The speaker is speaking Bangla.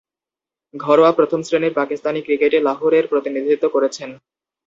ঘরোয়া প্রথম-শ্রেণীর পাকিস্তানি ক্রিকেটে লাহোরের প্রতিনিধিত্ব করেছেন।